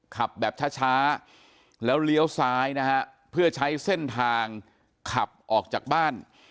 ขับแบบช้าแล้วเลี้ยวซ้ายนะฮะเพื่อใช้เส้นทางขับออกจากบ้าน